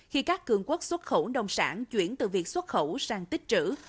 khi các cường quốc xuất khẩu nông sản chuyển từ việc xuất khẩu sang tích trữ